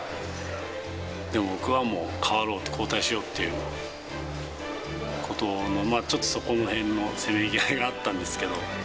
でも僕はもう代わろう、交代しようっていう、ちょっとそこのへんのせめぎ合いがあったんですけど。